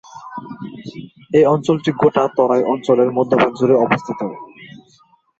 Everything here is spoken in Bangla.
এই অঞ্চলটি গোটা তরাই অঞ্চলের মধ্যভাগ জুড়ে অবস্থিত।